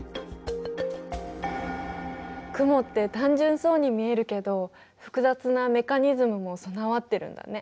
雲って単純そうに見えるけど複雑なメカニズムも備わってるんだね。